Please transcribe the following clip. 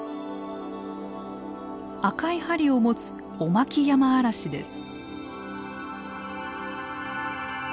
赤い針を持つオマキヤマアラシです。